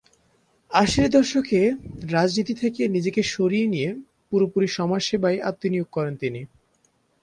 আশির দশকে রাজনীতি থেকে নিজেকে সরিয়ে নিয়ে পুরোপুরি সমাজসেবায় আত্মনিয়োগ করেন তিনি।